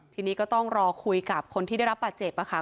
ทีนี้ก็ต้องรอคุยกับคนที่ได้รับบาดเจ็บค่ะ